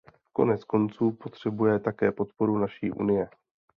Konec konců, potřebuje také podporu naší Unie.